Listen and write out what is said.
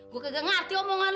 gua gak ngerti omongan lu